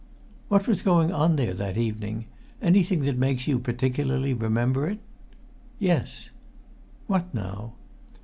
"What was going on there that evening? Anything that makes you particularly remember it?" "Yes." "What, now?"